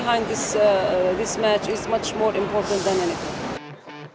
hanya perasaan arti dan pesan di belakang pertandingan ini lebih penting daripada apa saja